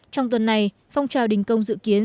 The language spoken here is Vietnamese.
trong tuần này phong trào đình công dự kiến